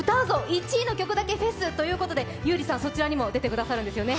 １位の曲だけフェス！というもので優里さん、そちらにも出てくれるんですよね。